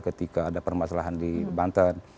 ketika ada permasalahan di banten